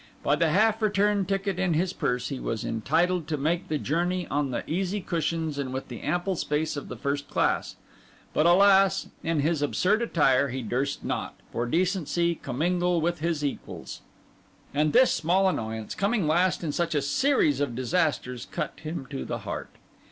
By the half return ticket in his purse, he was entitled to make the journey on the easy cushions and with the ample space of the first class; but alas! in his absurd attire, he durst not, for decency, commingle with his equals; and this small annoyance, coming last in such a series of disasters, cut him to the heart.